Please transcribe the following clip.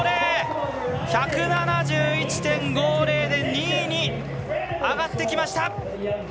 １７１．５０で２位に上がってきました！